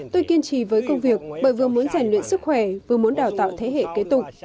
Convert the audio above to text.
tôi kiên trì với công việc bởi vừa muốn giành luyện sức khỏe vừa muốn đào tạo thế hệ kế tục